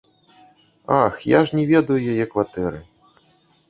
Ах, я ж не ведаю яе кватэры.